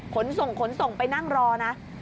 ขนส่งขนส่งไปนั่งรอนะ